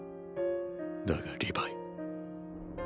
だがリヴァイ。